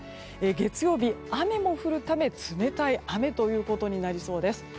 月曜日、雨も降るため冷たい雨となりそうです。